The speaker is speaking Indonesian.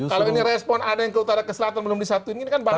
kalau ini respon ada yang ke utara ke selatan belum disatuin ini kan bagus